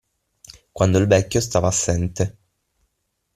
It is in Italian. Quando il vecchio stava assente.